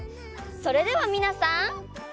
それではみなさん。